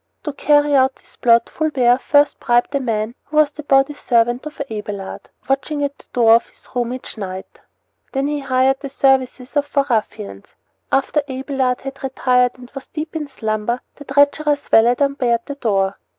To carry out his plot Fulbert first bribed a man who was the body servant of Abelard, watching at the door of his room each night. Then he hired the services of four ruffians. After Abelard had retired and was deep in slumber the treacherous valet unbarred the door.